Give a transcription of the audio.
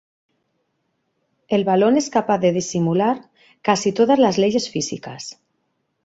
El balón es capaz de simular casi todas las leyes físicas.